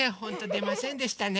でませんでしたね。